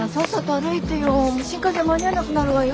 新幹線間に合わなくなるわよ。